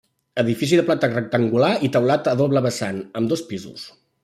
Edifici de planta rectangular i teulat a doble vessant, amb dos pisos.